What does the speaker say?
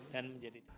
dan bisa mengecil